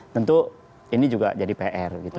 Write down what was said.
tentu ini juga jadi pr gitu